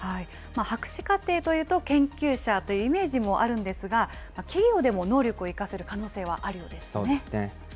博士課程というと、研究者というイメージもあるんですが、企業でも能力を生かせる可能性はあるようですね。